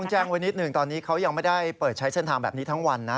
แจ้งไว้นิดหนึ่งตอนนี้เขายังไม่ได้เปิดใช้เส้นทางแบบนี้ทั้งวันนะ